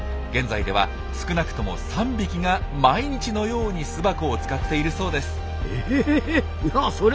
現在では少なくとも３匹が毎日のように巣箱を使っているそうです。